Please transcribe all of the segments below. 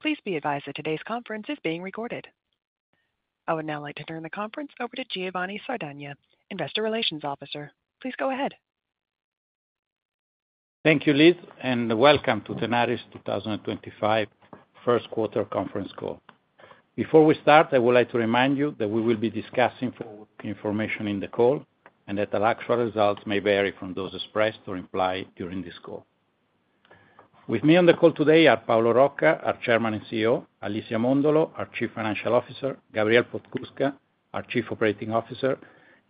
Please be advised that today's conference is being recorded. I would now like to turn the conference over to Giovanni Sardagna, Investor Relations Officer. Please go ahead. Thank you, Liz, and welcome to Tenaris 2025 First Quarter Conference Call. Before we start, I would like to remind you that we will be discussing information in the call and that the actual results may vary from those expressed or implied during this call. With me on the call today are Paolo Rocca, our Chairman and CEO; Alicia Mondolo, our Chief Financial Officer; Gabriel Podskubka, our Chief Operating Officer;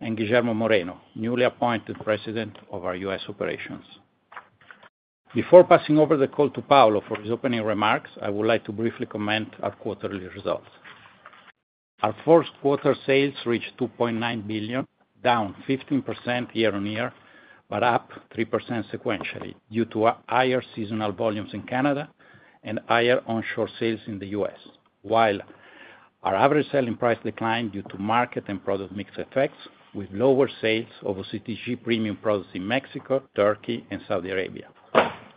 and Guillermo Moreno, newly appointed President of our US Operations. Before passing over the call to Paolo for his opening remarks, I would like to briefly comment on quarterly results. Our first quarter sales reached $2.9 billion, down 15% year-on-year but up 3% sequentially due to higher seasonal volumes in Canada and higher onshore sales in the US, while our average selling price declined due to market and product mix effects, with lower sales of OCTG premium products in Mexico, Turkey, and Saudi Arabia,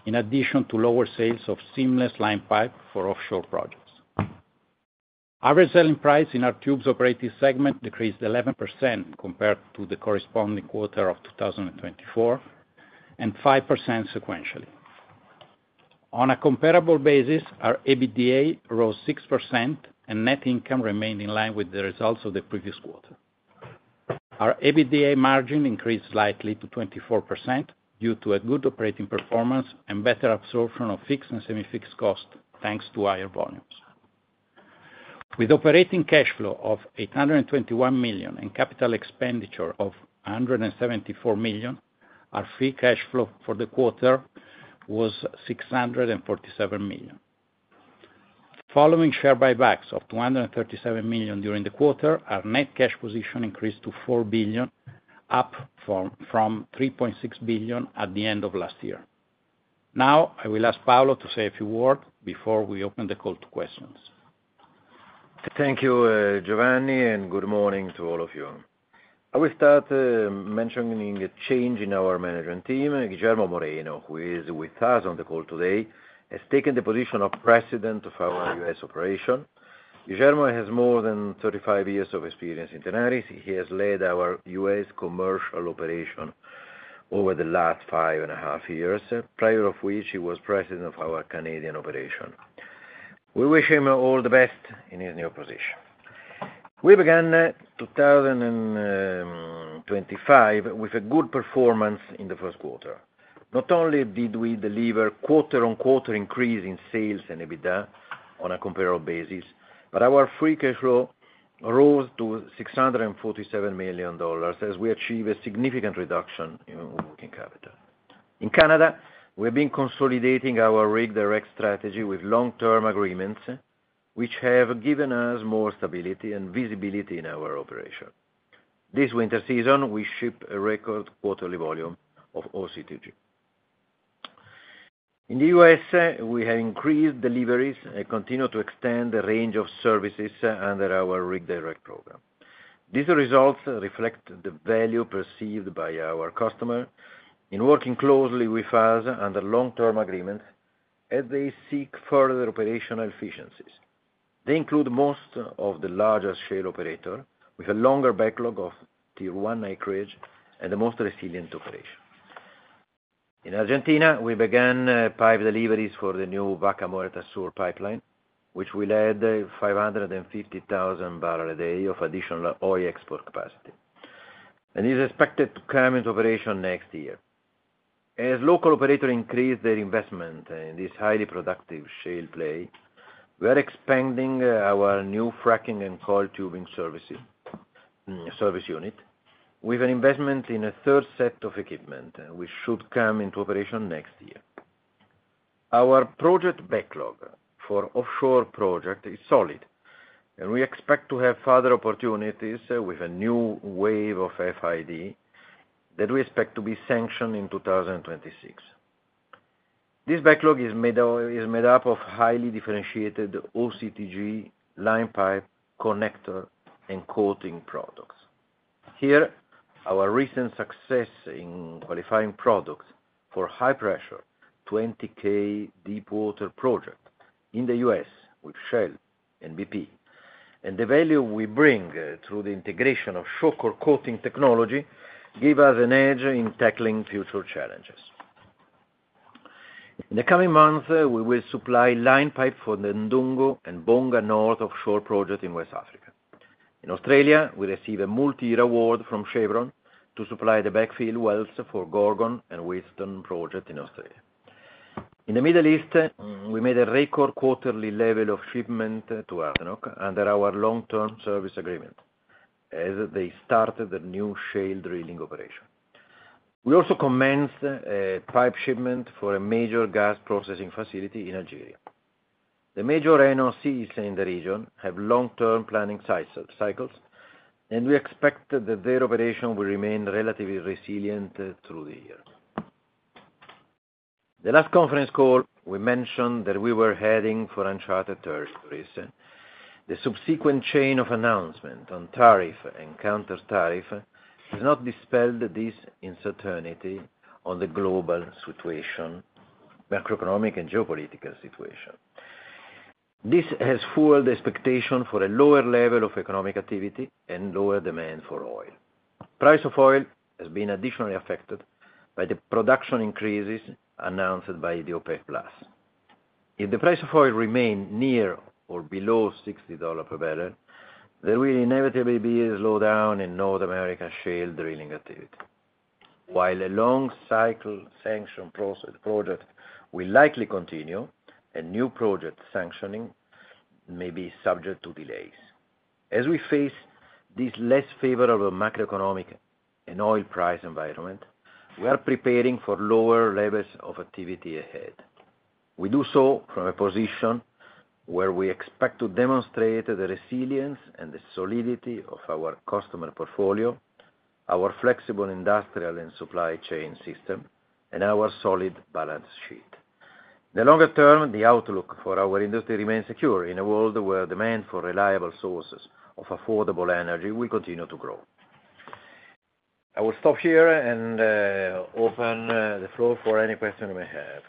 in addition to lower sales of seamless line pipe for offshore projects. Average selling price in our tubes operating segment decreased 11% compared to the corresponding quarter of 2024 and 5% sequentially. On a comparable basis, our EBITDA rose 6%, and net income remained in line with the results of the previous quarter. Our EBITDA margin increased slightly to 24% due to good operating performance and better absorption of fixed and semi-fixed costs thanks to higher volumes. With operating cash flow of $821 million and capital expenditure of $174 million, our free cash flow for the quarter was $647 million. Following share buybacks of $237 million during the quarter, our net cash position increased to $4 billion, up from $3.6 billion at the end of last year. Now, I will ask Paolo to say a few words before we open the call to questions. Thank you, Giovanni, and good morning to all of you. I will start mentioning a change in our management team. Guillermo Moreno, who is with us on the call today, has taken the position of President of our US Operations. Guillermo has more than 35 years of experience in Tenaris. He has led our US commercial operation over the last five and a half years, prior to which he was President of our Canadian operations. We wish him all the best in his new position. We began 2025 with a good performance in the first quarter. Not only did we deliver quarter-on-quarter increase in sales and EBITDA on a comparable basis, but our free cash flow rose to $647 million as we achieved a significant reduction in working capital. In Canada, we have been consolidating our rig direct strategy with long-term agreements, which have given us more stability and visibility in our operation. This winter season, we ship a record quarterly volume of OCTG. In the U.S., we have increased deliveries and continue to extend the range of services under our rig direct program. These results reflect the value perceived by our customers in working closely with us under long-term agreements as they seek further operational efficiencies. They include most of the largest shale operators with a longer backlog of tier one acreage and the most resilient operations. In Argentina, we began pipe deliveries for the new Vaca Muerta Sur pipeline, which will add $550,000 a day of additional oil export capacity, and is expected to come into operation next year. As local operators increase their investment in this highly productive shale play, we are expanding our new fracking and coiled tubing service unit with an investment in a third set of equipment, which should come into operation next year. Our project backlog for offshore projects is solid, and we expect to have further opportunities with a new wave of FID that we expect to be sanctioned in 2026. This backlog is made up of highly differentiated all OCTG line pipe connector and coating products. Here, our recent success in qualifying products for high-pressure 20K deep water projects in the US with Shell and BP, and the value we bring through the integration of Shawcor coating technology gives us an edge in tackling future challenges. In the coming months, we will supply line pipe for the Ndungu and Bonga North offshore projects in West Africa. In Australia, we received a multi-year award from Chevron to supply the backfill wells for Gorgon and Wheatstone projects in Australia. In the Middle East, we made a record quarterly level of shipment to Aramco under our long-term service agreement as they started the new shale drilling operation. We also commenced pipe shipment for a major gas processing facility in Algeria. The major NOCs in the region have long-term planning cycles, and we expect that their operation will remain relatively resilient through the year. The last conference call, we mentioned that we were heading for uncharted territories. The subsequent chain of announcements on tariff and countertariff has not dispelled this uncertainty on the global situation, macroeconomic and geopolitical situation. This has fueled the expectation for a lower level of economic activity and lower demand for oil. The price of oil has been additionally affected by the production increases announced by the OPEC+. If the price of oil remains near or below $60 per barrel, there will inevitably be a slowdown in North America's shale drilling activity. While a long-cycle sanction process project will likely continue, a new project sanctioning may be subject to delays. As we face this less favorable macroeconomic and oil price environment, we are preparing for lower levels of activity ahead. We do so from a position where we expect to demonstrate the resilience and the solidity of our customer portfolio, our flexible industrial and supply chain system, and our solid balance sheet. In the longer term, the outlook for our industry remains secure in a world where demand for reliable sources of affordable energy will continue to grow. I will stop here and open the floor for any questions you may have.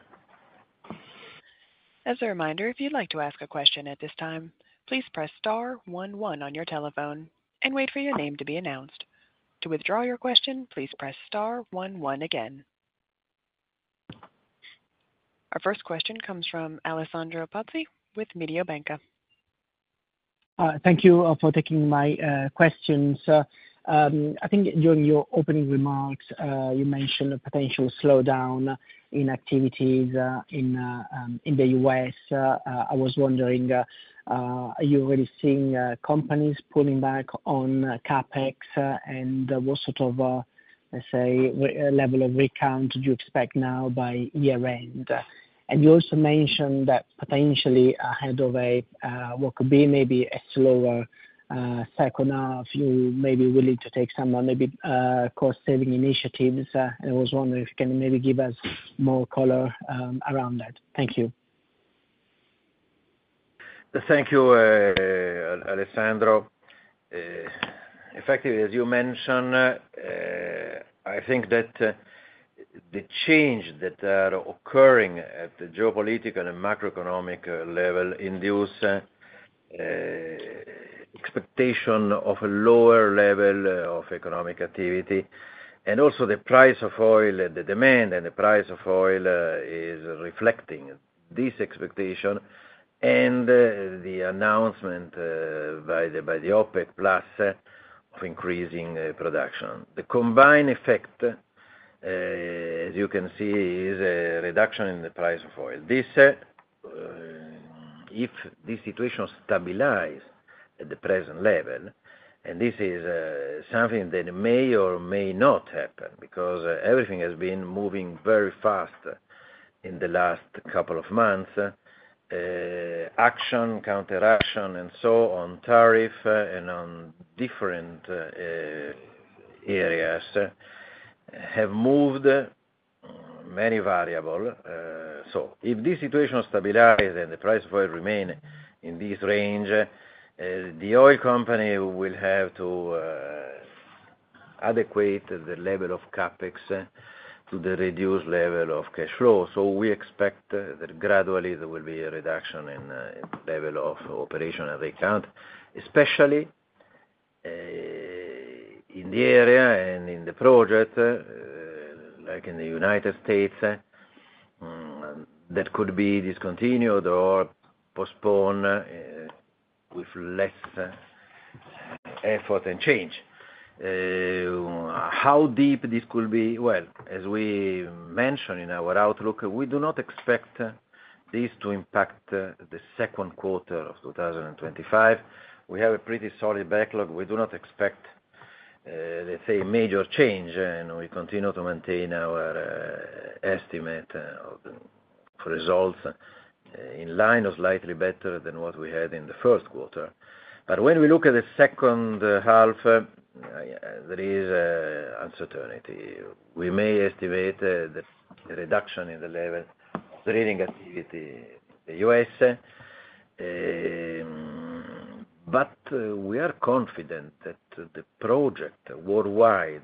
As a reminder, if you'd like to ask a question at this time, please press star 11 on your telephone and wait for your name to be announced. To withdraw your question, please press star 11 again. Our first question comes from Alessandro Pozzi with Mediobanca. Thank you for taking my questions. I think during your opening remarks, you mentioned a potential slowdown in activities in the US. I was wondering, are you really seeing companies pulling back on CapEx, and what sort of, let's say, level of rig count do you expect now by year-end? You also mentioned that potentially ahead of what could be maybe a slower second half, you may be willing to take some cost-saving initiatives. I was wondering if you can maybe give us more color around that. Thank you. Thank you, Alessandro. Effectively, as you mentioned, I think that the change that is occurring at the geopolitical and macroeconomic level induces expectations of a lower level of economic activity, and also the price of oil and the demand and the price of oil is reflecting this expectation and the announcement by the OPEC+ of increasing production. The combined effect, as you can see, is a reduction in the price of oil. If this situation stabilizes at the present level, and this is something that may or may not happen because everything has been moving very fast in the last couple of months, action, counteraction, and so on, tariff and on different areas have moved many variables. If this situation stabilizes and the price of oil remains in this range, the oil company will have to adequate the level of capex to the reduced level of cash flow. We expect that gradually there will be a reduction in the level of operation and rig count, especially in the area and in the project, like in the United States, that could be discontinued or postponed with less effort and change. How deep this could be? As we mentioned in our outlook, we do not expect this to impact the second quarter of 2025. We have a pretty solid backlog. We do not expect, let's say, major change, and we continue to maintain our estimate of results in line or slightly better than what we had in the first quarter. When we look at the second half, there is uncertainty. We may estimate a reduction in the level of drilling activity in the US, but we are confident that the project worldwide,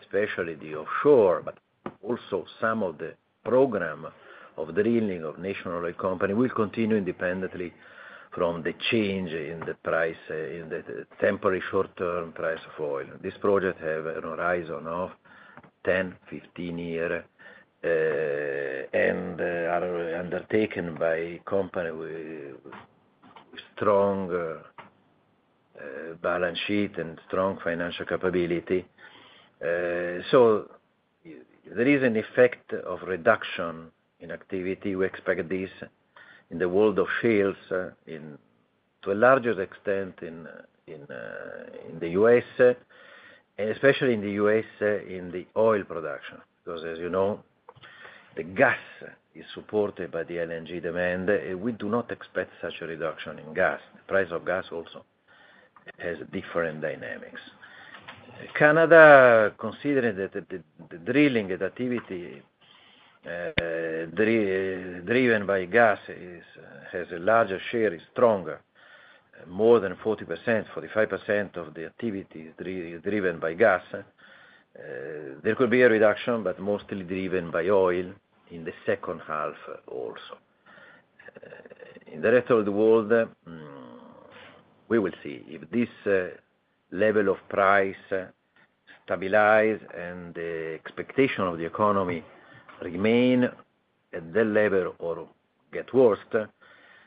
especially the offshore, but also some of the program of drilling of national oil company, will continue independently from the change in the price, in the temporary short-term price of oil. This project has an horizon of 10-15 years, and is undertaken by a company with a strong balance sheet and strong financial capability. There is an effect of reduction in activity. We expect this in the world of shales to a larger extent in the US, especially in the US in the oil production, because, as you know, the gas is supported by the LNG demand, and we do not expect such a reduction in gas. The price of gas also has different dynamics. Canada, considering that the drilling activity driven by gas has a larger share, is stronger, more than 40%-45% of the activity is driven by gas, there could be a reduction, but mostly driven by oil in the second half also. In the rest of the world, we will see. If this level of price stabilizes and the expectation of the economy remains at that level or gets worse,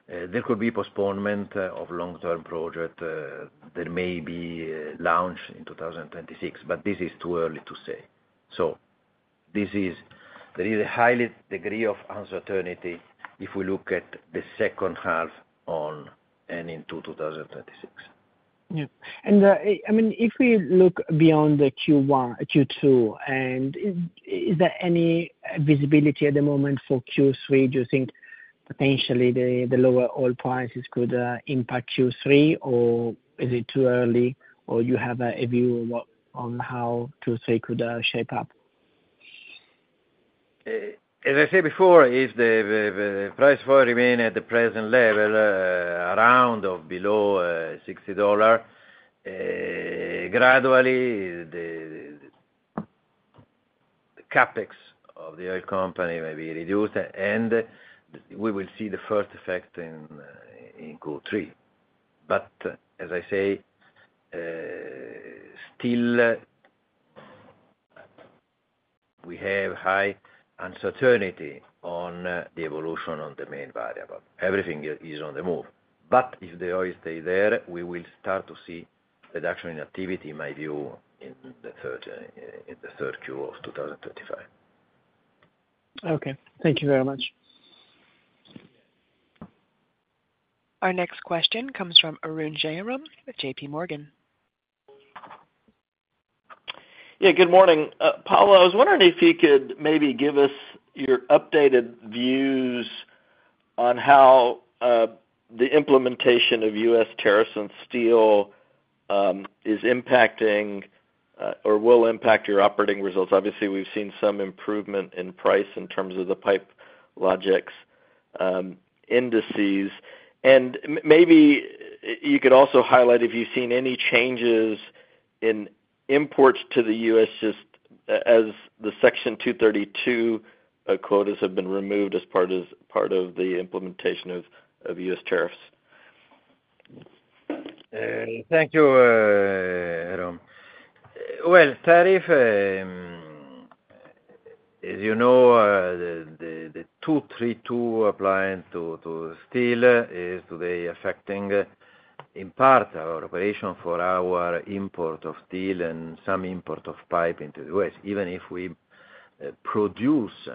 there could be postponement of long-term projects that may be launched in 2026, but this is too early to say. There is a high degree of uncertainty if we look at the second half on and into 2026. I mean, if we look beyond Q1, Q2, is there any visibility at the moment for Q3? Do you think potentially the lower oil prices could impact Q3, or is it too early, or do you have a view on how Q3 could shape up? As I said before, if the price of oil remains at the present level, around or below $60, gradually the CapEx of the oil company may be reduced, and we will see the first effect in Q3. As I say, still, we have high uncertainty on the evolution on the main variable. Everything is on the move. If the oil stays there, we will start to see a reduction in activity, in my view, in the third Q of 2025. Okay. Thank you very much. Our next question comes from Arun Jayaram, JP Morgan. Yeah, good morning. Paolo, I was wondering if you could maybe give us your updated views on how the implementation of U.S. tariffs on steel is impacting or will impact your operating results. Obviously, we've seen some improvement in price in terms of the PipeLogix indices. Maybe you could also highlight if you've seen any changes in imports to the U.S. just as the Section 232 quotas have been removed as part of the implementation of U.S. tariffs. Thank you, Arun. Tariff, as you know, the 232 applied to steel is today affecting in part our operation for our import of steel and some import of pipe into the U.S., even if we produce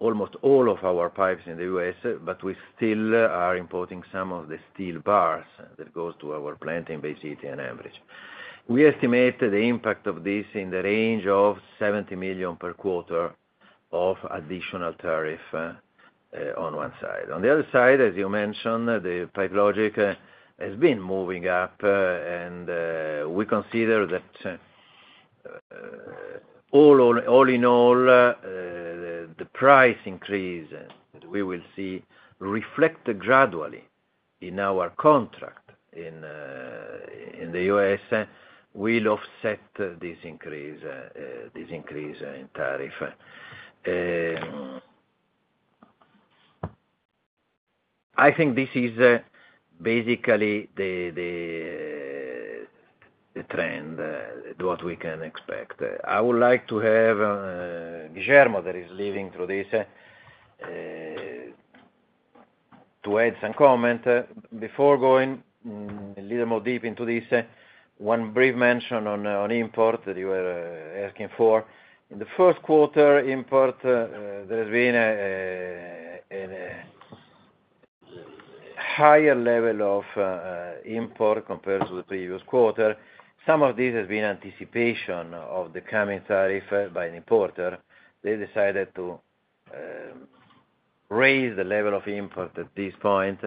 almost all of our pipes in the U.S., but we still are importing some of the steel bars that go to our plant in Bay City and Ambridge. We estimate the impact of this in the range of $70 million per quarter of additional tariff on one side. On the other side, as you mentioned, the PipeLogix has been moving up, and we consider that all in all, the price increase that we will see reflected gradually in our contract in the U.S. will offset this increase in tariff. I think this is basically the trend, what we can expect. I would like to have Guillermo, that is leading through this, to add some comments. Before going a little more deep into this, one brief mention on import that you were asking for. In the first quarter import, there has been a higher level of import compared to the previous quarter. Some of this has been anticipation of the coming tariff by the importer. They decided to raise the level of import at this point.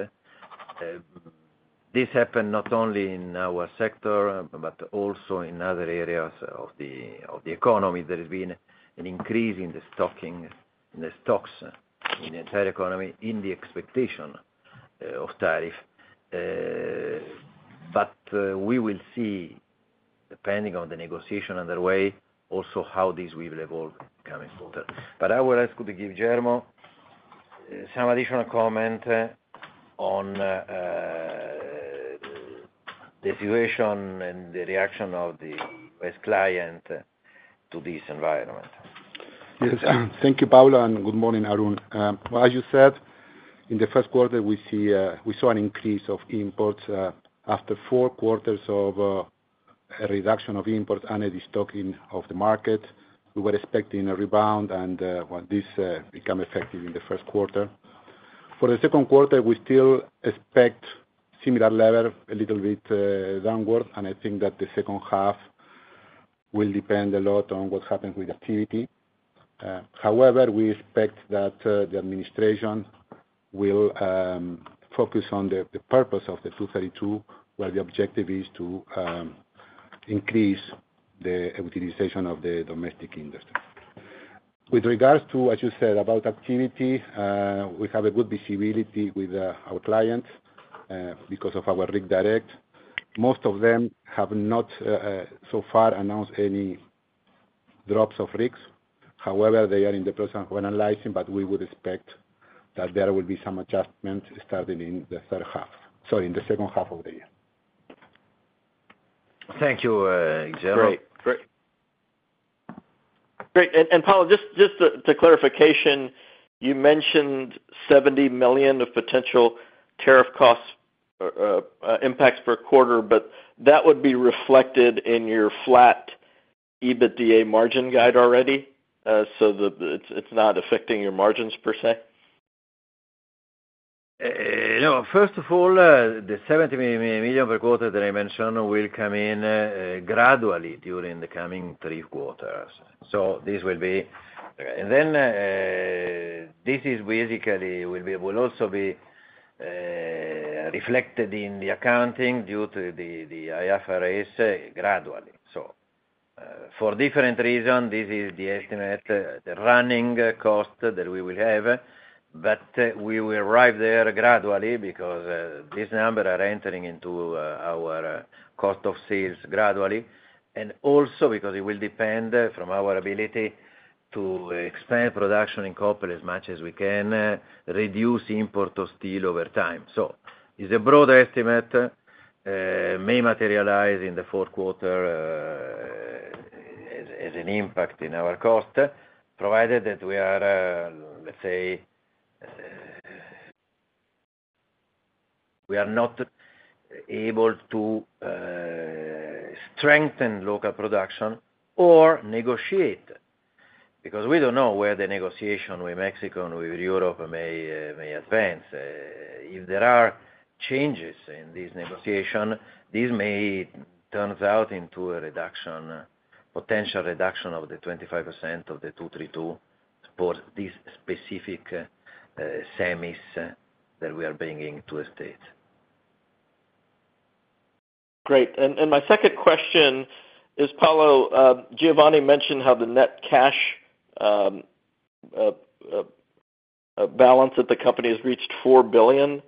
This happened not only in our sector, but also in other areas of the economy. There has been an increase in the stocks in the entire economy in the expectation of tariff. We will see, depending on the negotiation underway, also how this will evolve coming quarter. I will ask Guillermo some additional comments on the situation and the reaction of the U.S. client to this environment. Yes. Thank you, Paolo, and good morning, Arun. As you said, in the first quarter, we saw an increase of imports after four quarters of a reduction of imports and a destocking of the market. We were expecting a rebound, and this became effective in the first quarter. For the second quarter, we still expect a similar level, a little bit downward, and I think that the second half will depend a lot on what happens with activity. However, we expect that the administration will focus on the purpose of the 232, where the objective is to increase the utilization of the domestic industry. With regards to, as you said, about activity, we have a good visibility with our clients because of our Rig Direct. Most of them have not so far announced any drops of rigs. However, they are in the process of analyzing, but we would expect that there will be some adjustments starting in the second half of the year. Thank you, Guillermo. Great. Great. And Paolo, just to clarification, you mentioned $70 million of potential tariff cost impacts per quarter, but that would be reflected in your flat EBITDA margin guide already? It is not affecting your margins per se? No. First of all, the $70 million per quarter that I mentioned will come in gradually during the coming three quarters. This will be, and then this is basically, will also be reflected in the accounting due to the IFRS gradually. For different reasons, this is the estimate, the running cost that we will have, but we will arrive there gradually because these numbers are entering into our cost of sales gradually, and also because it will depend on our ability to expand production in couple as much as we can, reduce import of steel over time. It is a broad estimate that may materialize in the fourth quarter as an impact in our cost, provided that we are, let's say, we are not able to strengthen local production or negotiate because we don't know where the negotiation with Mexico and with Europe may advance. If there are changes in this negotiation, this may turn out into a reduction, potential reduction of the 25% of the Section 232 for this specific semis that we are bringing to the States. Great. My second question is, Paolo, Giovanni mentioned how the net cash balance at the company has reached $4 billion.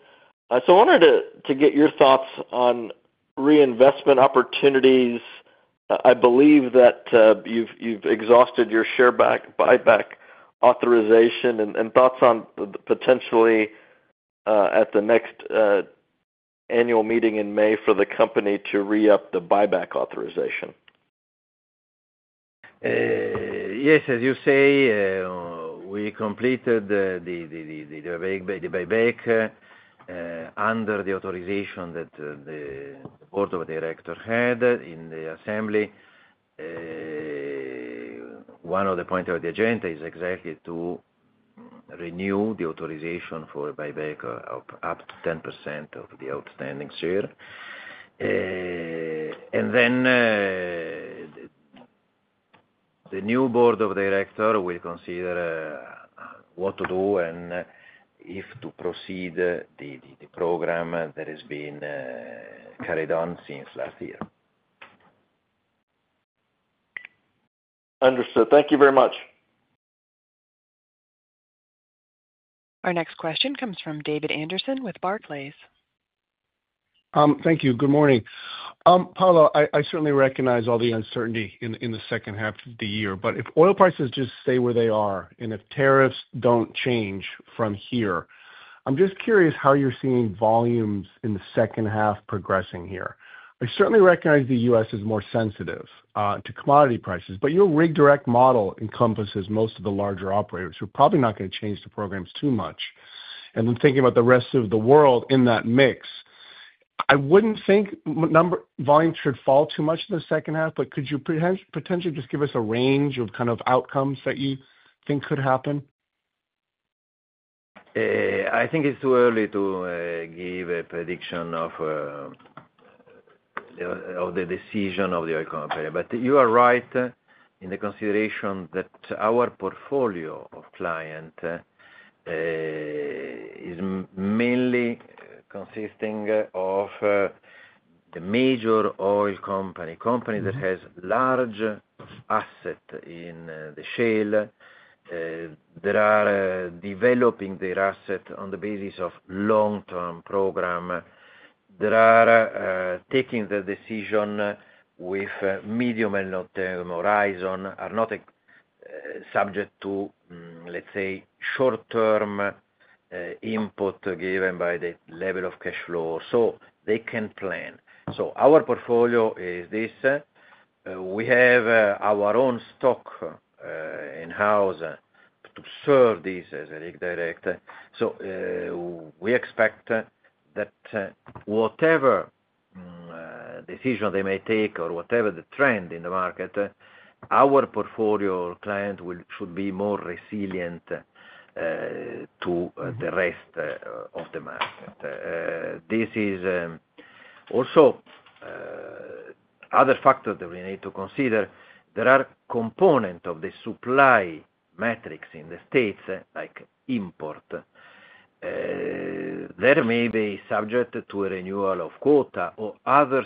I wanted to get your thoughts on reinvestment opportunities. I believe that you've exhausted your share buyback authorization and thoughts on potentially at the next annual meeting in May for the company to re-up the buyback authorization. Yes. As you say, we completed the buyback under the authorization that the board of directors had in the assembly. One of the points of the agenda is exactly to renew the authorization for a buyback of up to 10% of the outstanding share. The new board of directors will consider what to do and if to proceed the program that has been carried on since last year. Understood. Thank you very much. Our next question comes from David Anderson with Barclays. Thank you. Good morning. Paolo, I certainly recognize all the uncertainty in the second half of the year, but if oil prices just stay where they are and if tariffs do not change from here, I am just curious how you are seeing volumes in the second half progressing here. I certainly recognize the US is more sensitive to commodity prices, but your Rig Direct model encompasses most of the larger operators who are probably not going to change the programs too much. Thinking about the rest of the world in that mix, I would not think volumes should fall too much in the second half, but could you potentially just give us a range of kind of outcomes that you think could happen? I think it's too early to give a prediction of the decision of the oil company, but you are right in the consideration that our portfolio of clients is mainly consisting of the major oil companies, companies that have large assets in the shale that are developing their assets on the basis of long-term programs, that are taking the decision with medium and long-term horizon, are not subject to, let's say, short-term input given by the level of cash flow. They can plan. Our portfolio is this. We have our own stock in-house to serve this as a Rig Direct. We expect that whatever decision they may take or whatever the trend in the market, our portfolio or client should be more resilient to the rest of the market. This is also other factors that we need to consider. There are components of the supply metrics in the U.S., like import. They may be subject to a renewal of quota or other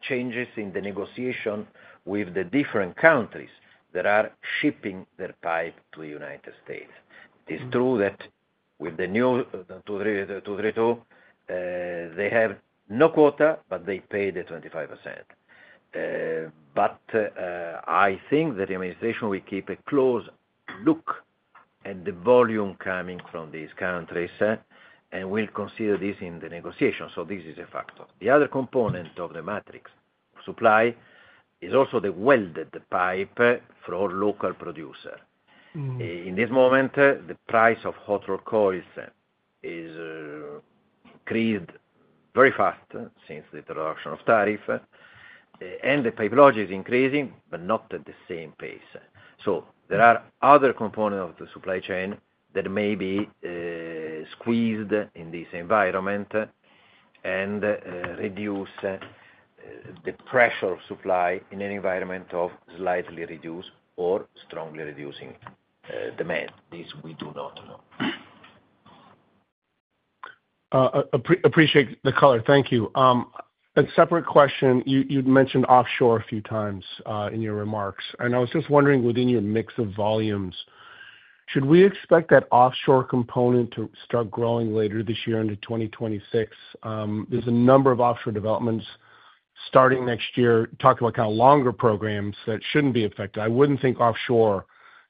changes in the negotiation with the different countries that are shipping their pipe to the United States. It is true that with the new Section 232, they have no quota, but they pay the 25%. I think that the administration will keep a close look at the volume coming from these countries and will consider this in the negotiation. This is a factor. The other component of the matrix of supply is also the welded pipe for local producers. In this moment, the price of hot-rolled coils has increased very fast since the introduction of tariff, and the PipeLogix is increasing, but not at the same pace. There are other components of the supply chain that may be squeezed in this environment and reduce the pressure of supply in an environment of slightly reduced or strongly reducing demand. This we do not know. Appreciate the color. Thank you. A separate question, you'd mentioned offshore a few times in your remarks, and I was just wondering within your mix of volumes, should we expect that offshore component to start growing later this year into 2026? There's a number of offshore developments starting next year, talking about kind of longer programs that shouldn't be affected. I wouldn't think offshore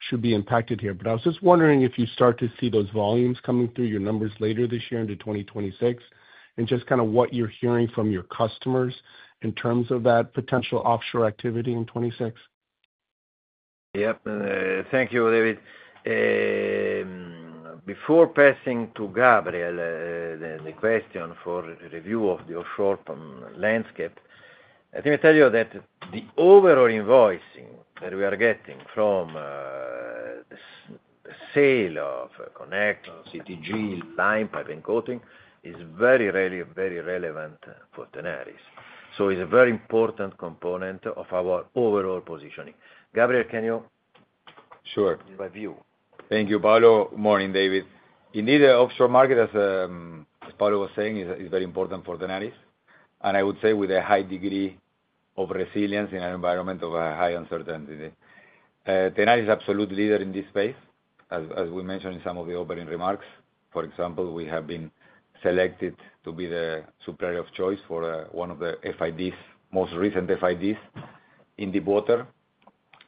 should be impacted here, but I was just wondering if you start to see those volumes coming through your numbers later this year into 2026 and just kind of what you're hearing from your customers in terms of that potential offshore activity in 2026? Yep. Thank you, David. Before passing to Gabriel the question for review of the offshore landscape, let me tell you that the overall invoicing that we are getting from the sale of Connect, OCTG, line pipe, and coating is very relevant for Tenaris. So it's a very important component of our overall positioning. Gabriel, can you give a view? Sure. Thank you, Paolo. Good morning, David. Indeed, the offshore market, as Paolo was saying, is very important for Tenaris, and I would say with a high degree of resilience in an environment of high uncertainty. Tenaris is absolute leader in this space, as we mentioned in some of the opening remarks. For example, we have been selected to be the supplier of choice for one of the most recent FIDs in the water,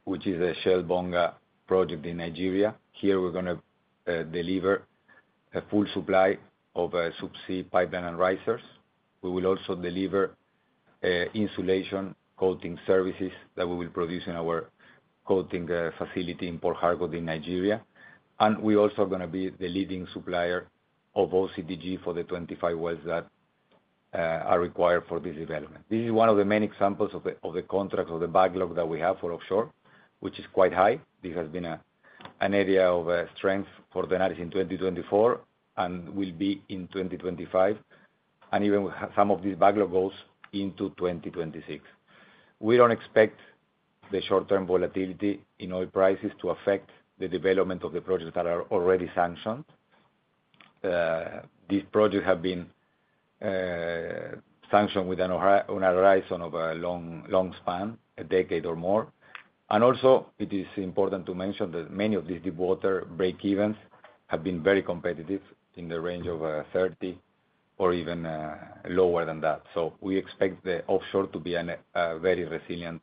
which is a Shell Bonga project in Nigeria. Here, we're going to deliver a full supply of subsea pipeline and risers. We will also deliver insulation coating services that we will produce in our coating facility in Port Harcourt in Nigeria. We also are going to be the leading supplier of all OCTG for the 25 wells that are required for this development. This is one of the main examples of the contracts of the backlog that we have for offshore, which is quite high. This has been an area of strength for Tenaris in 2024 and will be in 2025, and even some of this backlog goes into 2026. We don't expect the short-term volatility in oil prices to affect the development of the projects that are already sanctioned. These projects have been sanctioned within a horizon of a long span, a decade or more. It is also important to mention that many of these deep-water break-evens have been very competitive in the range of $30 or even lower than that. We expect the offshore to be a very resilient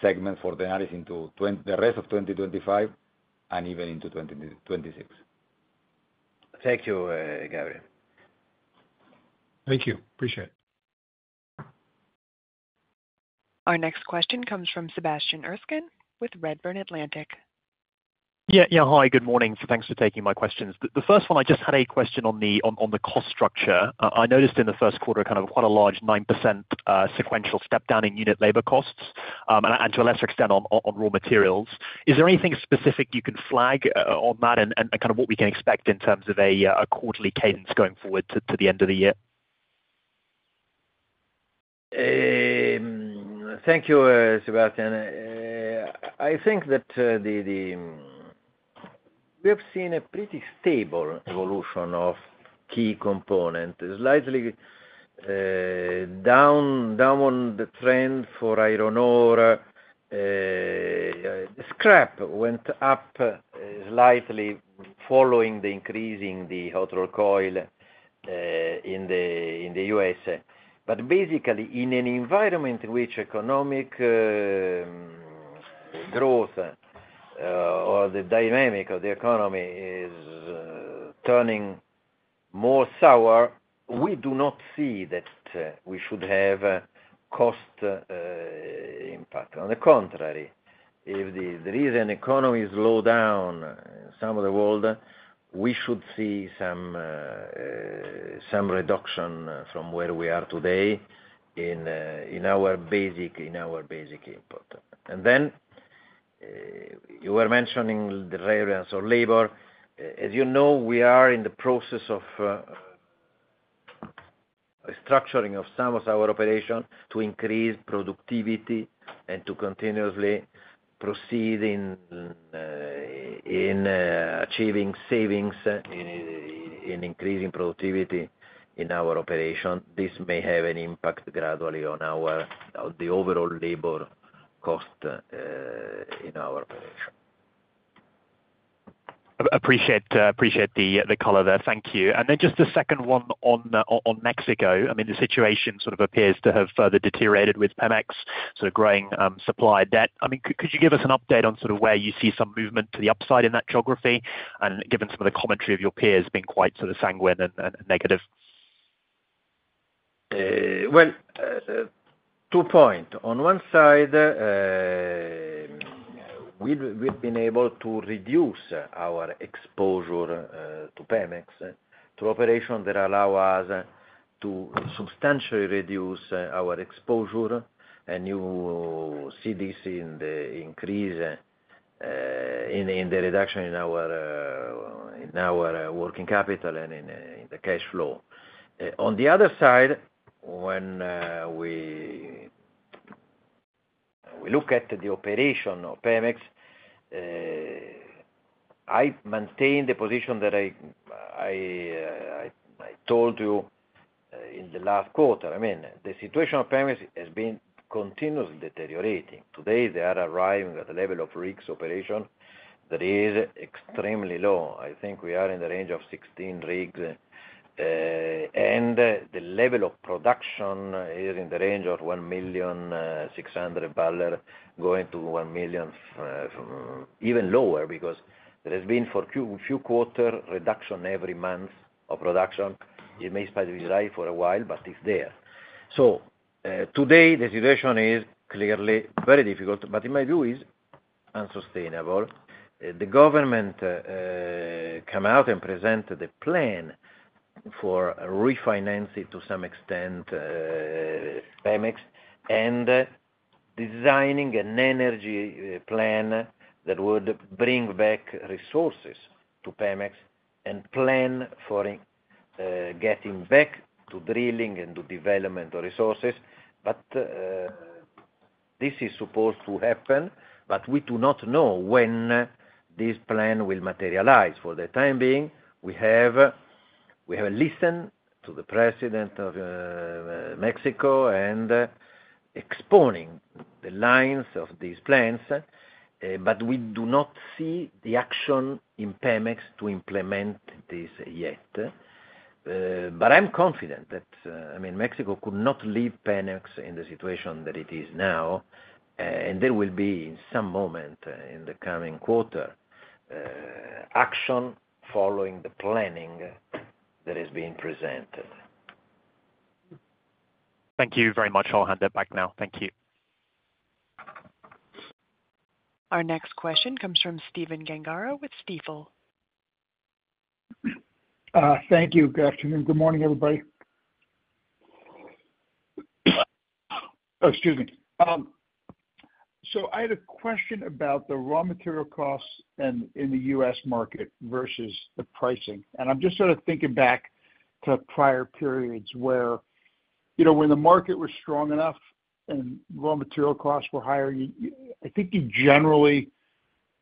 segment for Tenaris into the rest of 2025 and even into 2026. Thank you, Gabriel. Thank you. Appreciate it. Our next question comes from Sebastian Erskine with Redburn Atlantic. Yeah. Yeah. Hi. Good morning. Thanks for taking my questions. The first one, I just had a question on the cost structure. I noticed in the first quarter kind of quite a large 9% sequential step-down in unit labor costs and to a lesser extent on raw materials. Is there anything specific you can flag on that and kind of what we can expect in terms of a quarterly cadence going forward to the end of the year? Thank you, Sebastian. I think that we have seen a pretty stable evolution of key components. Slightly down on the trend for iron ore, scrap went up slightly following the increase in the hot-rolled coil in the US. Basically, in an environment in which economic growth or the dynamic of the economy is turning more sour, we do not see that we should have cost impact. On the contrary, if the reason economy is slowed down in some of the world, we should see some reduction from where we are today in our basic input. You were mentioning the relevance of labor. As you know, we are in the process of structuring some of our operations to increase productivity and to continuously proceed in achieving savings in increasing productivity in our operation. This may have an impact gradually on the overall labor cost in our operation. Appreciate the color. Thank you. Just the second one on Mexico. I mean, the situation sort of appears to have further deteriorated with Pemex sort of growing supply debt. I mean, could you give us an update on sort of where you see some movement to the upside in that geography and given some of the commentary of your peers being quite sort of sanguine and negative? Two points. On one side, we've been able to reduce our exposure to Pemex through operations that allow us to substantially reduce our exposure, and you see this in the increase in the reduction in our working capital and in the cash flow. On the other side, when we look at the operation of Pemex, I maintain the position that I told you in the last quarter. I mean, the situation of Pemex has been continuously deteriorating. Today, they are arriving at the level of rigs operation that is extremely low. I think we are in the range of 16 rigs, and the level of production is in the range of $1,600,000 going -$ one million, even lower, because there has been for a few quarters reduction every month of production. It may be slightly high for a while, but it's there. Today, the situation is clearly very difficult, but in my view, it's unsustainable. The government came out and presented a plan for refinancing to some extent Pemex and designing an energy plan that would bring back resources to Pemex and plan for getting back to drilling and to development of resources. This is supposed to happen, but we do not know when this plan will materialize. For the time being, we have listened to the president of Mexico and exposing the lines of these plans, but we do not see the action in Pemex to implement this yet. I'm confident that, I mean, Mexico could not leave Pemex in the situation that it is now, and there will be in some moment in the coming quarter action following the planning that has been presented. Thank you very much. I'll hand it back now. Thank you. Our next question comes from Stephen Gengaro with Stifel. Thank you. Good afternoon. Good morning, everybody. Excuse me. I had a question about the raw material costs in the US market versus the pricing. I'm just sort of thinking back to prior periods where when the market was strong enough and raw material costs were higher, I think you generally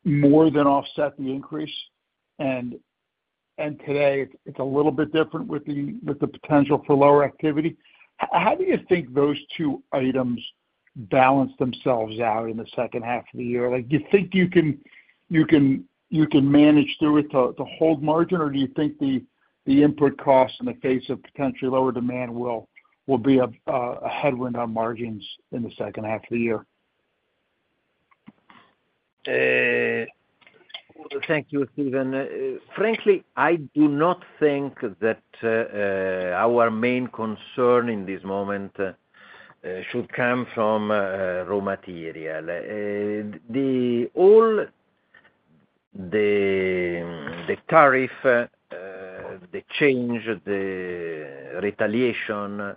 more than offset the increase. Today, it's a little bit different with the potential for lower activity. How do you think those two items balance themselves out in the second half of the year? Do you think you can manage through it to hold margin, or do you think the input costs in the face of potentially lower demand will be a headwind on margins in the second half of the year? Thank you, Stephen. Frankly, I do not think that our main concern in this moment should come from raw material. All the tariff, the change, the retaliation,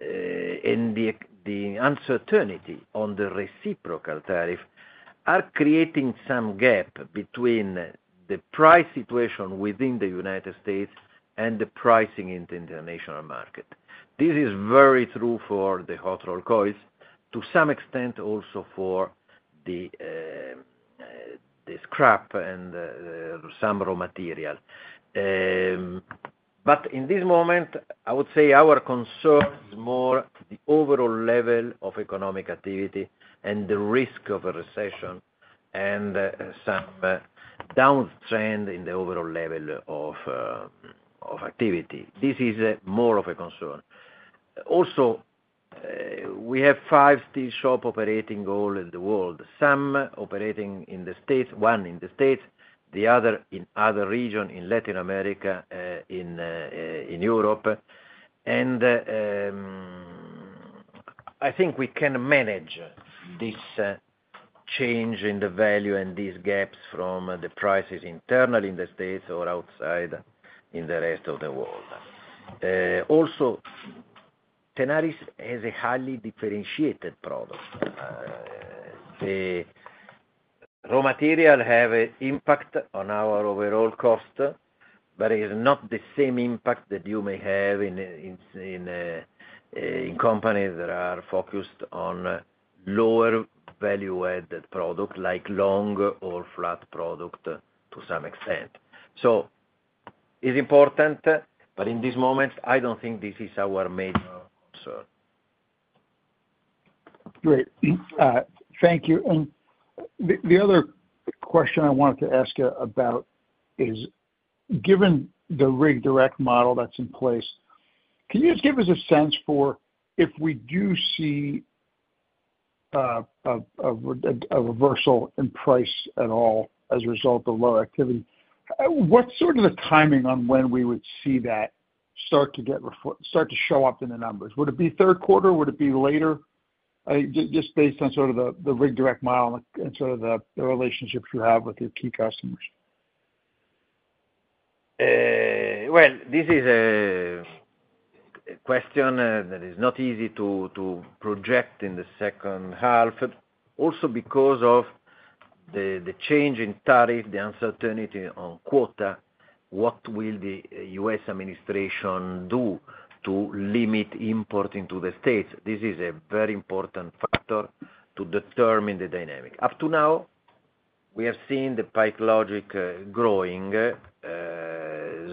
and the uncertainty on the reciprocal tariff are creating some gap between the price situation within the U.S. and the pricing in the international market. This is very true for the hot-rolled coils, to some extent also for the scrap and some raw material. In this moment, I would say our concern is more the overall level of economic activity and the risk of a recession and some downtrend in the overall level of activity. This is more of a concern. Also, we have five steel shops operating all over the world, some operating in the States, one in the States, the other in other regions in Latin America, in Europe. I think we can manage this change in the value and these gaps from the prices internally in the States or outside in the rest of the world. Also, Tenaris has a highly differentiated product. The raw material has an impact on our overall cost, but it is not the same impact that you may have in companies that are focused on lower value-added products like long or flat products to some extent. It is important, but in this moment, I do not think this is our major concern. Great. Thank you. The other question I wanted to ask about is, given the Rig Direct model that's in place, can you just give us a sense for if we do see a reversal in price at all as a result of low activity, what's sort of the timing on when we would see that start to show up in the numbers? Would it be third quarter? Would it be later? Just based on sort of the Rig Direct model and sort of the relationships you have with your key customers. This is a question that is not easy to project in the second half, also because of the change in tariff, the uncertainty on quota, what will the U.S. administration do to limit import into the States? This is a very important factor to determine the dynamic. Up to now, we have seen the PipeLogix growing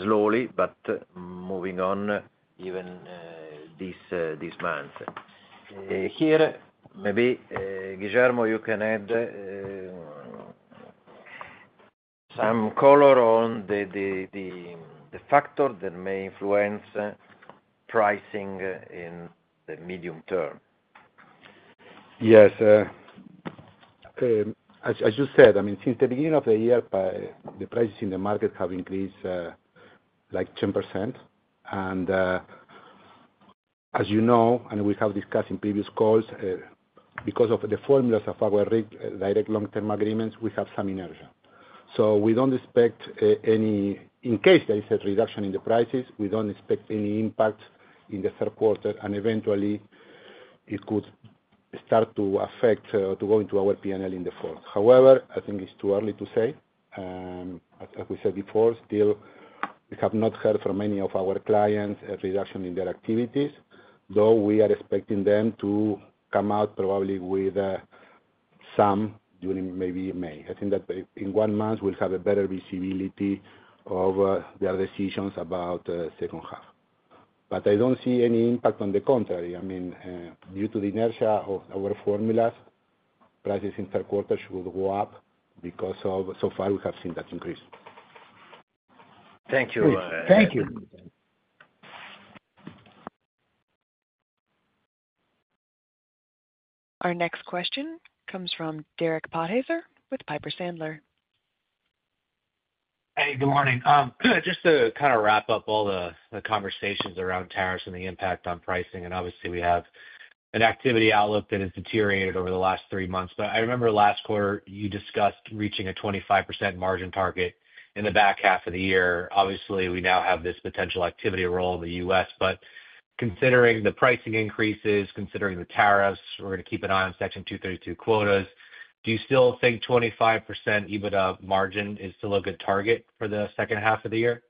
slowly, but moving on even this month. Here, maybe, Guillermo, you can add some color on the factor that may influence pricing in the medium term. Yes. As you said, I mean, since the beginning of the year, the prices in the market have increased like 10%. And as you know, and we have discussed in previous calls, because of the formulas of our Rig Direct long-term agreements, we have some inertia. So we don't expect any in case there is a reduction in the prices, we don't expect any impact in the third quarter, and eventually, it could start to affect or to go into our P&L in the fourth. However, I think it's too early to say. As we said before, still, we have not heard from many of our clients a reduction in their activities, though we are expecting them to come out probably with some during maybe May. I think that in one month, we'll have a better visibility of their decisions about the second half. I don't see any impact on the contrary. I mean, due to the inertia of our formulas, prices in third quarter should go up because so far, we have seen that increase. Thank you. Thank you. Our next question comes from Derek Podhaizer with Piper Sandler. Hey, good morning. Just to kind of wrap up all the conversations around tariffs and the impact on pricing. Obviously, we have an activity outlook that has deteriorated over the last three months. I remember last quarter, you discussed reaching a 25% margin target in the back half of the year. Obviously, we now have this potential activity role in the US. Considering the pricing increases, considering the tariffs, we're going to keep an eye on Section 232 quotas. Do you still think 25% EBITDA margin is still a good target for the second half of the year?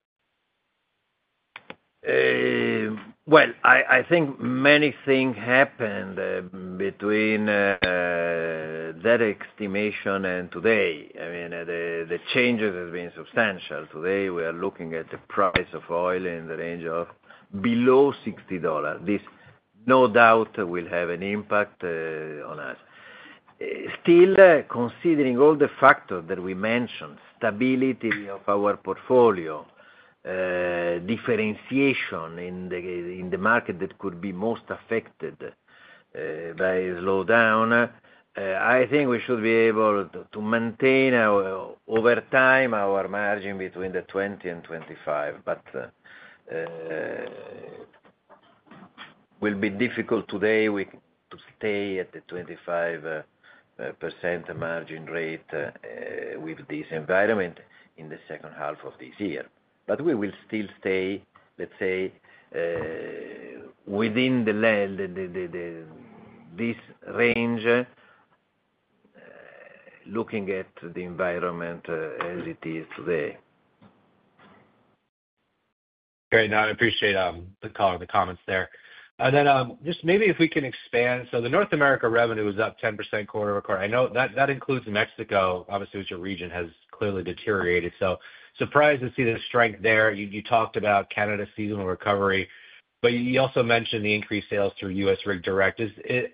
I think many things happened between that estimation and today. I mean, the changes have been substantial. Today, we are looking at the price of oil in the range of below $60. This, no doubt, will have an impact on us. Still, considering all the factors that we mentioned, stability of our portfolio, differentiation in the market that could be most affected by a slowdown, I think we should be able to maintain over time our margin between the 20-25%. It will be difficult today to stay at the 25% margin rate with this environment in the second half of this year. We will still stay, let's say, within this range looking at the environment as it is today. Great. No, I appreciate the call or the comments there. Just maybe if we can expand. The North America revenue was up 10% quarter over quarter. I know that includes Mexico. Obviously, your region has clearly deteriorated. Surprised to see the strength there. You talked about Canada's seasonal recovery, but you also mentioned the increased sales through US Rig Direct.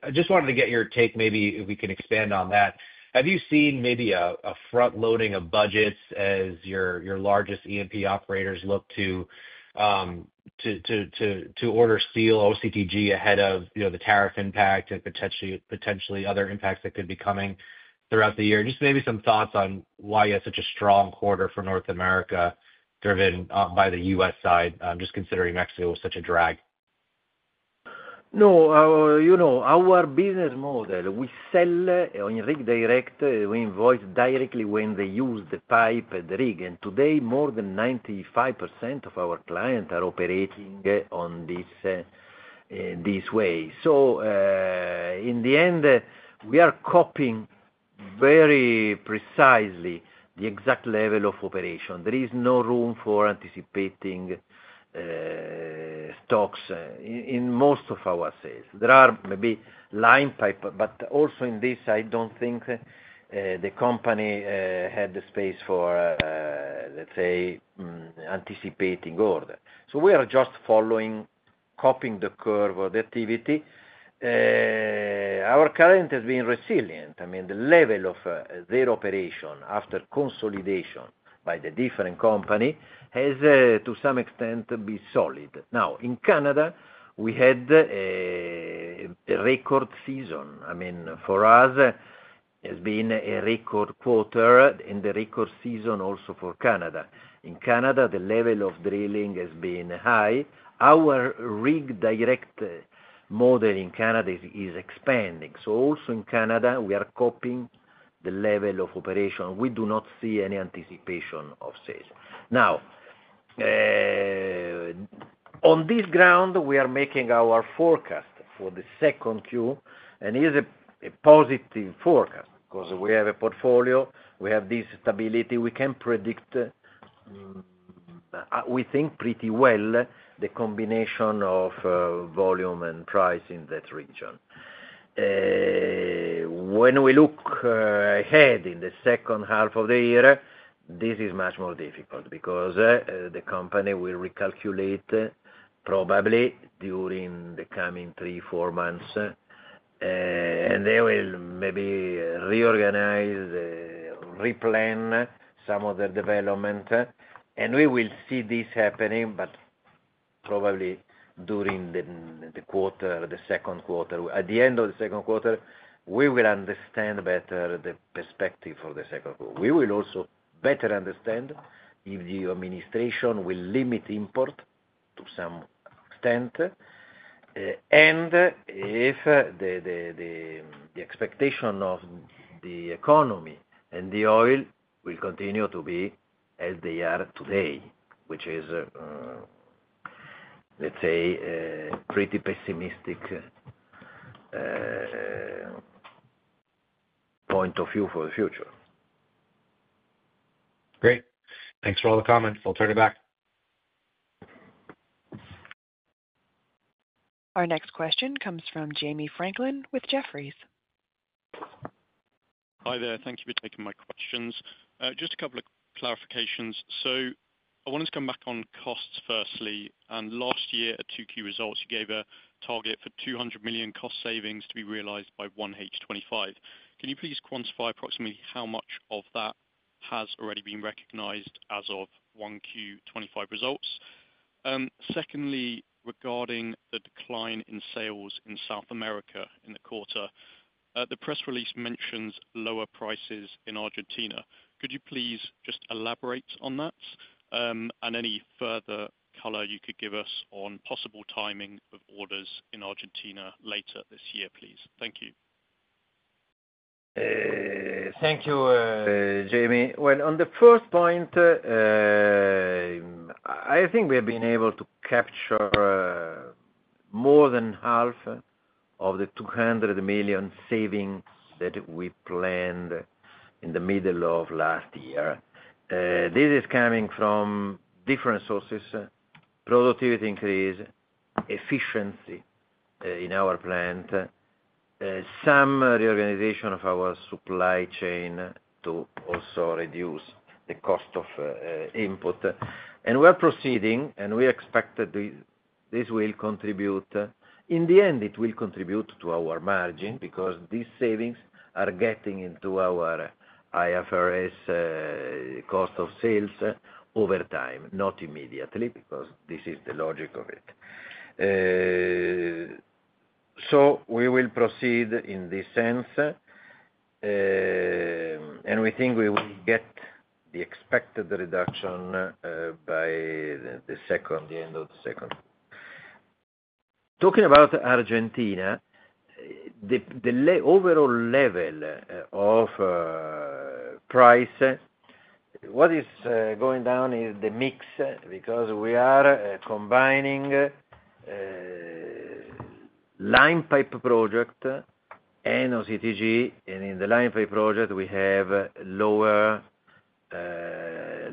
I just wanted to get your take, maybe if we can expand on that. Have you seen maybe a front-loading of budgets as your largest E&P operators look to order steel, OCTG, ahead of the tariff impact and potentially other impacts that could be coming throughout the year? Just maybe some thoughts on why you had such a strong quarter for North America driven by the US side, just considering Mexico was such a drag. No, our business model, we sell on Rig Direct, we invoice directly when they use the pipe and the rig. Today, more than 95% of our clients are operating in this way. In the end, we are copying very precisely the exact level of operation. There is no room for anticipating stocks in most of our sales. There are maybe line pipe, but also in this, I do not think the company had the space for, let's say, anticipating order. We are just following, copying the curve of the activity. Our current has been resilient. I mean, the level of their operation after consolidation by the different company has, to some extent, been solid. In Canada, we had a record season. I mean, for us, it has been a record quarter and a record season also for Canada. In Canada, the level of drilling has been high. Our Rig Direct model in Canada is expanding. Also in Canada, we are copying the level of operation. We do not see any anticipation of sales. Now, on this ground, we are making our forecast for the second quarter, and it is a positive forecast because we have a portfolio, we have this stability, we can predict, we think, pretty well the combination of volume and price in that region. When we look ahead in the second half of the year, this is much more difficult because the company will recalculate probably during the coming three to four months, and they will maybe reorganize, replan some of their development. We will see this happening, probably during the quarter, the second quarter. At the end of the second quarter, we will understand better the perspective for the second quarter. We will also better understand if the administration will limit import to some extent, and if the expectation of the economy and the oil will continue to be as they are today, which is, let's say, a pretty pessimistic point of view for the future. Great. Thanks for all the comments. We'll turn it back. Our next question comes from Jamie Franklin with Jefferies. Hi there. Thank you for taking my questions. Just a couple of clarifications. I wanted to come back on costs firstly. Last year, at 2Q results, you gave a target for $200 million cost savings to be realized by 1H2025. Can you please quantify approximately how much of that has already been recognized as of 1Q2025 results? Secondly, regarding the decline in sales in South America in the quarter, the press release mentions lower prices in Argentina. Could you please just elaborate on that and any further color you could give us on possible timing of orders in Argentina later this year, please? Thank you. Thank you, Jamie. On the first point, I think we have been able to capture more than half of the $200 million savings that we planned in the middle of last year. This is coming from different sources: productivity increase, efficiency in our plant, some reorganization of our supply chain to also reduce the cost of input. We are proceeding, and we expect that this will contribute. In the end, it will contribute to our margin because these savings are getting into our IFRS cost of sales over time, not immediately, because this is the logic of it. We will proceed in this sense, and we think we will get the expected reduction by the end of the second. Talking about Argentina, the overall level of price, what is going down is the mix because we are combining line pipe project and OCTG, and in the line pipe project, we have lower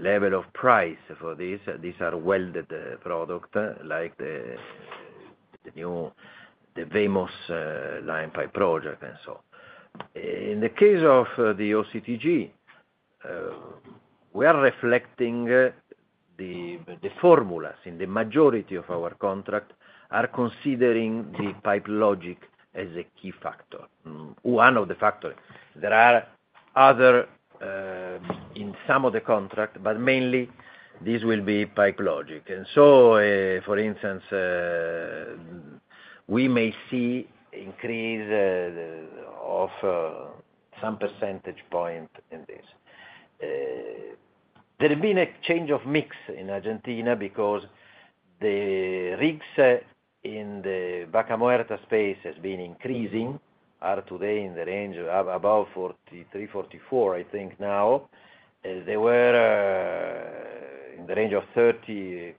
level of price for these. These are welded products like the new VMOS line pipe project and so on. In the case of the OCTG, we are reflecting the formulas in the majority of our contract, are considering the PipeLogix as a key factor, one of the factors. There are other in some of the contract, but mainly, this will be PipeLogix. For instance, we may see increase of some percentage point in this. There has been a change of mix in Argentina because the rigs in the Vaca Muerta space have been increasing, are today in the range of above 43-44, I think now. They were in the range of 30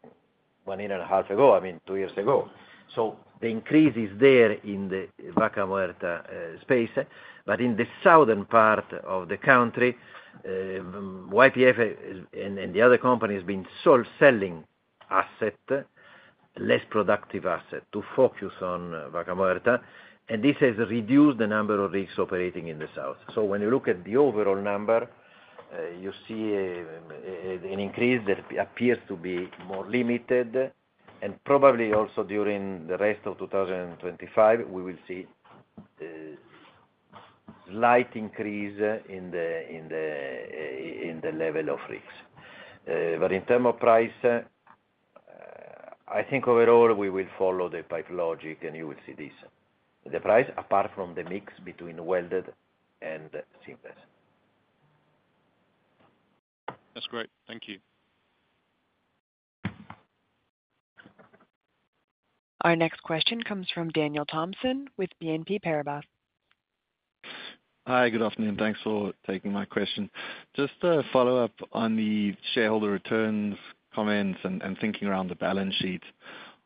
one year and a half ago, I mean, two years ago. The increase is there in the Vaca Muerta space. In the southern part of the country, YPF and the other companies have been selling asset, less productive asset to focus on Vaca Muerta. This has reduced the number of rigs operating in the south. When you look at the overall number, you see an increase that appears to be more limited. Probably also during the rest of 2025, we will see a slight increase in the level of rigs. In terms of price, I think overall, we will follow the PipeLogix, and you will see this. The price, apart from the mix between welded and seamless. That's great. Thank you. Our next question comes from Daniel Thomson with BNP Paribas. Hi, good afternoon. Thanks for taking my question. Just a follow-up on the shareholder returns comments and thinking around the balance sheet.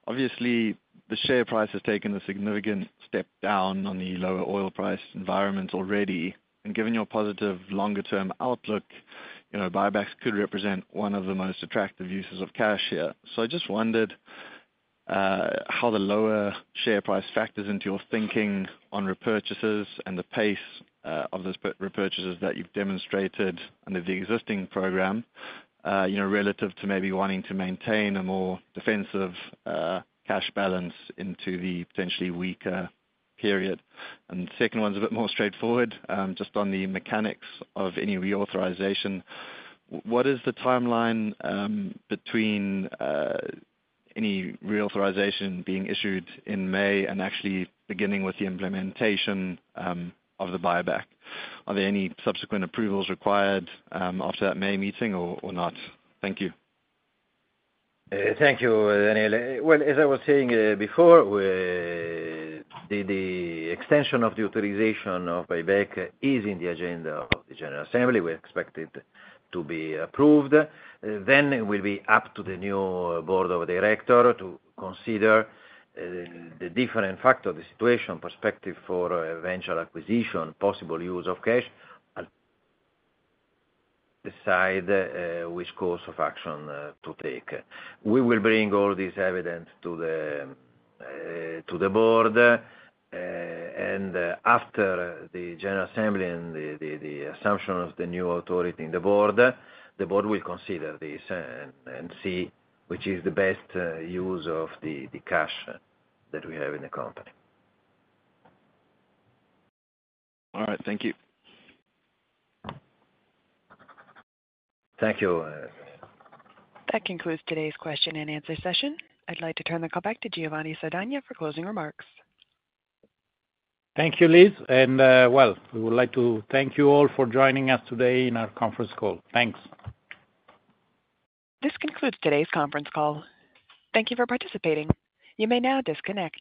Obviously, the share price has taken a significant step down on the lower oil price environment already. Given your positive longer-term outlook, buybacks could represent one of the most attractive uses of cash here. I just wondered how the lower share price factors into your thinking on repurchases and the pace of those repurchases that you've demonstrated under the existing program relative to maybe wanting to maintain a more defensive cash balance into the potentially weaker period. The second one's a bit more straightforward, just on the mechanics of any reauthorization. What is the timeline between any reauthorization being issued in May and actually beginning with the implementation of the buyback? Are there any subsequent approvals required after that May meeting or not? Thank you. Thank you, Daniel. As I was saying before, the extension of the authorization of buyback is in the agenda of the General Assembly. We expect it to be approved. It will be up to the new board of directors to consider the different factors, the situation, perspective for eventual acquisition, possible use of cash, decide which course of action to take. We will bring all this evidence to the board. After the General Assembly and the assumption of the new authority in the board, the board will consider this and see which is the best use of the cash that we have in the company. All right. Thank you. Thank you. That concludes today's question and answer session. I'd like to turn the call back to Giovanni Sardagna for closing remarks. Thank you, Liz. We would like to thank you all for joining us today in our conference call. Thanks. This concludes today's conference call. Thank you for participating. You may now disconnect.